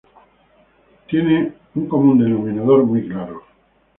Tienen un común denominador muy claro